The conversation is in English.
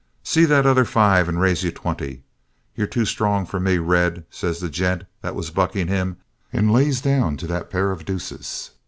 'See that other five and raise you twenty.' 'You're too strong for me Red,' says the gent that was bucking him and lays down to that pair of deuces!